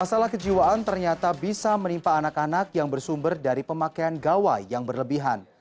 masalah kejiwaan ternyata bisa menimpa anak anak yang bersumber dari pemakaian gawai yang berlebihan